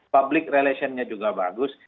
public relationnya juga bagus